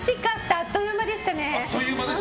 あっという間でしたね。